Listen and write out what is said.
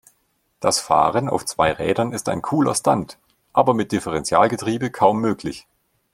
Das Fahren auf zwei Rädern ist ein cooler Stunt, aber mit Differentialgetriebe kaum möglich.